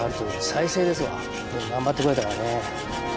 頑張ってくれたからね。